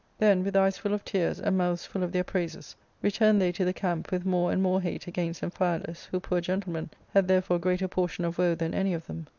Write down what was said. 323 Then, with eyes full of tears, and mouths full of their praises, returned they to the camp with more and more hate against Amphialus, who, poor gentleman, had therefore greater portion of woe than any of them.